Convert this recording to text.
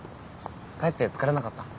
かえって疲れなかった？